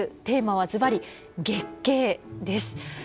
テーマはずばり「月経」です。